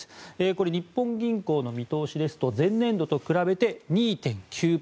これは日本銀行の見通しですと前年度と比べて２．９％と。